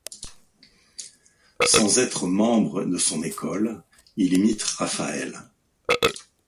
Sans être membre de son école, il imite Raphaël.